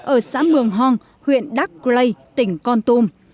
ở xã mường hong huyện đắc glay tỉnh con tôm